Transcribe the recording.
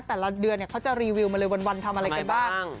แต่ละเดือนเขาจะรีวิวมาเลยวันทำอะไรกันบ้าง